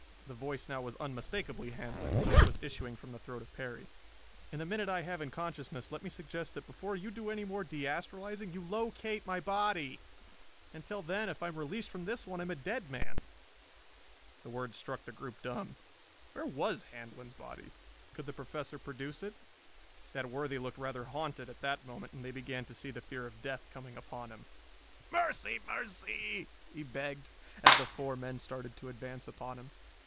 The voice now was unmistakably Handlon's, though it was issuing from the throat of Perry. "In the minute I have in consciousness let me suggest that before you do any more de astralizing you locate my body. Until then, if I am released from this one I am a dead man." The words struck the group dumb. Where was Handlon's body? Could the Professor produce it? That worthy looked rather haunted at that moment, and they began to see the fear of death coming upon him. "Mercy, mercy!" he begged as the four men started to advance upon him.